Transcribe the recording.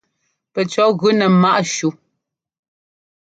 Pɛcɔ̌ gʉ nɛ ḿmaꞌ shú.